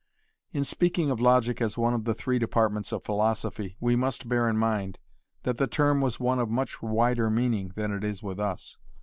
In speaking of logic as one of the three departments of philosophy we must bear in mind that the term was one of much wider meaning than it is with us.